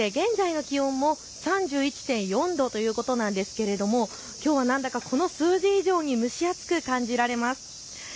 そして現在の気温も３１．４度ということなんですがきょうは何だかこの数字以上に蒸し暑く感じられます。